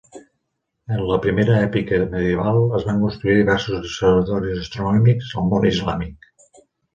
En la primera èpica medieval, es van construir diversos observatoris astronòmics al món islàmic.